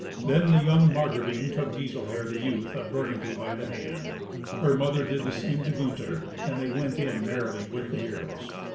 Then the young Margravine took Giselher, the youth, of Burgundy by the hand. Her mother did the same to Gunther, and they went in merrily with the heroes.